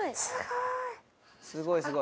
すごい。